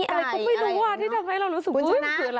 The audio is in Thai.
ก็ไม่รู้ว่าได้ทำให้เรารู้สึก